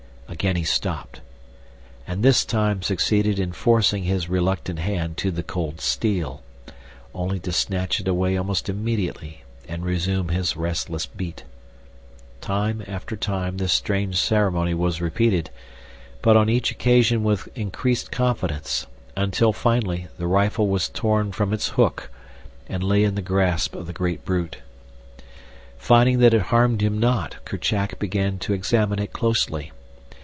Again he stopped, and this time succeeded in forcing his reluctant hand to the cold steel, only to snatch it away almost immediately and resume his restless beat. Time after time this strange ceremony was repeated, but on each occasion with increased confidence, until, finally, the rifle was torn from its hook and lay in the grasp of the great brute. Finding that it harmed him not, Kerchak began to examine it closely.